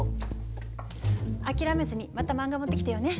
諦めずにまた漫画持ってきてよね。